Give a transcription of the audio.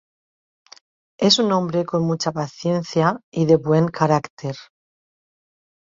Es un hombre con mucha paciencia y de buen carácter.